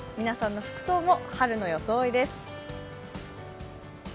皆さんの服装も春の装いです。